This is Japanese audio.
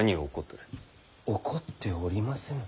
怒っておりませぬ。